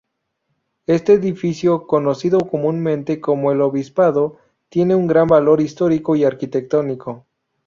Este edificio, conocido comúnmente como el Obispado, tiene un gran valor histórico y arquitectónico.